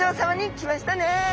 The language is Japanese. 来ましたね！